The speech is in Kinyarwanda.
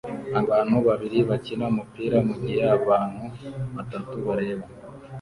Abantu babiri bakina umupira mugihe abantu batatu bareba